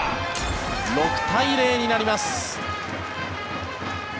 ６対０になります。